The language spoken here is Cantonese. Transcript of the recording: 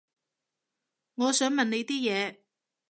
我想問你啲嘢